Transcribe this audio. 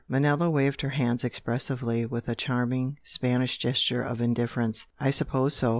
Manella waved her hands expressively with a charming Spanish gesture of indifference. "I suppose so!